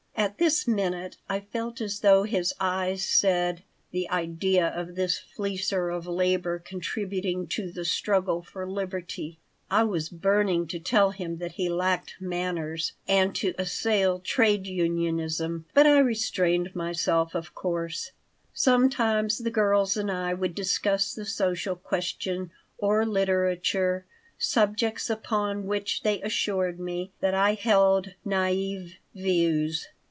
At this minute I felt as though his eyes said, "The idea of this fleecer of labor contributing to the struggle for liberty!" I was burning to tell him that he lacked manners, and to assail trade unionism, but I restrained myself, of course Sometimes the girls and I would discuss the social question or literature, subjects upon which they assured me that I held "naïve" views.